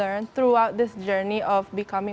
yaitu keberanian atau keberanian